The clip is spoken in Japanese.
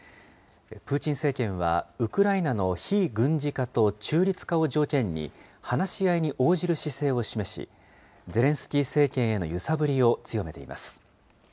プーチン政権は、ウクライナの非軍事化と中立化を条件に、話し合いに応じる姿勢を示し、ゼレンスキー政権への揺さぶりを強めています。